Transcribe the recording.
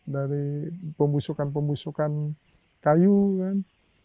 dari pembusukan pembusukan kayu kan